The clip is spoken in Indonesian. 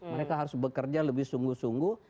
mereka harus bekerja lebih sungguh sungguh